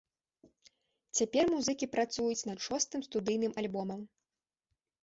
Цяпер музыкі працуюць над шостым студыйным альбомам.